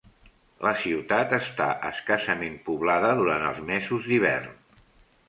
La ciutat està escassament poblada durant els mesos d'hivern.